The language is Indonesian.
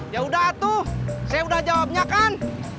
yaudah tuh saya udah jawabnya kan